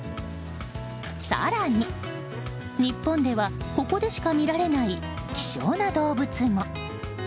更に、日本ではここでしか見られない希少な動物も。